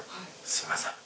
すいません